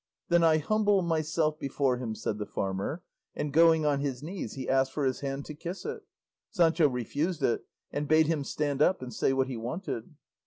"Then I humble myself before him," said the farmer; and going on his knees he asked for his hand, to kiss it. Sancho refused it, and bade him stand up and say what he wanted.